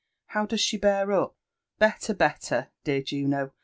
*— how does she bear up V "Better, better, dear Juno!